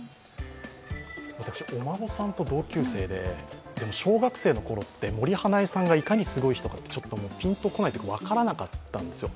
私はお孫さんと同級生で、小学生のころって、森英恵さんがいかにすごい人かっていうのは、ピンとこないというか分からなかったんですよ。